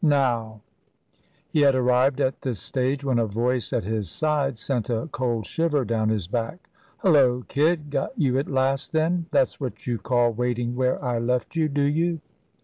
Now He had arrived at this stage when a voice at his side sent a cold shiver down his back. "Hullo, kid, got you at last, then? That's what you call waiting where I left you, do you?"